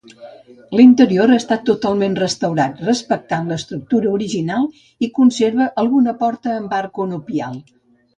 L’interior ha estat totalment restaurat respectant l’estructura original i conserva alguna porta amb arc conopial.